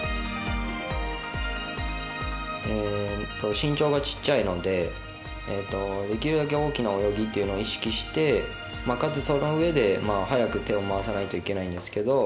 身長が小さいのでできるだけ大きな泳ぎを意識してかつ、そのうえで早く手を回さないといけないんですけど